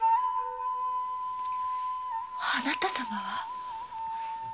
あなた様は？